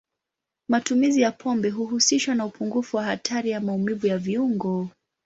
Matumizi ya pombe huhusishwa na upungufu wa hatari ya maumivu ya viungo.